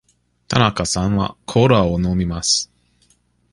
田中さんはコーラを飲みます。